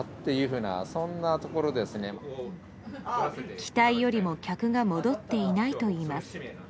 期待よりも客が戻っていないといいます。